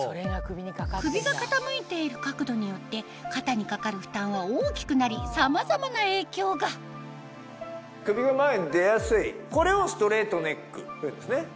首が傾いている角度によって肩にかかる負担は大きくなりさまざまな影響が首が前に出やすいこれを。というんですね。